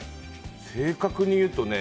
正確に言うとね